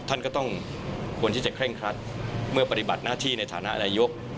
ท่านก็ต้องควรที่จะเคร่งครัดเมื่อปฏิบัติหน้าที่ในฐานะนายก